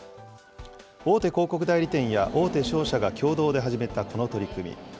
大手広告代理店や大手商社が共同で始めたこの取り組み。